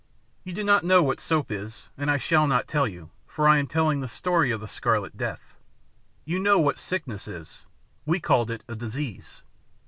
059] "You do not know what soap is, and I shall not tell you, for I am telling the story of the Scarlet Death. You know what sickness is. We called it a disease.